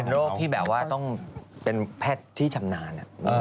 โรคที่แบบว่าต้องเป็นแพทย์ที่ชำนาญ